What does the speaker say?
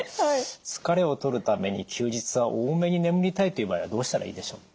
疲れを取るために休日は多めに眠りたいという場合はどうしたらいいでしょう？